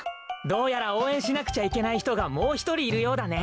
どうやらおうえんしなくちゃいけないひとがもうひとりいるようだね。